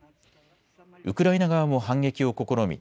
ウクライナ側も反撃を試み